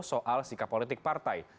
soal sikap politik partai